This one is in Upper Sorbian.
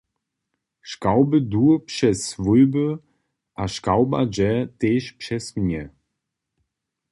Škałby du přez swójby a škałba dźe tež přeze mnje.